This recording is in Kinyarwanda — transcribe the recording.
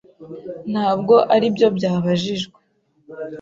Ntabwo aribyo byabajijwe.